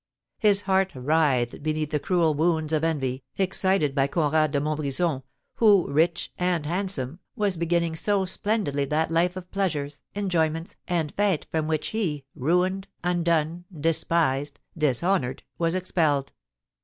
His heart writhed beneath the cruel wounds of envy, excited by Conrad de Montbrison, who, rich and handsome, was beginning so splendidly that life of pleasures, enjoyments, and fêtes, from which he, ruined, undone, despised, dishonoured, was expelled.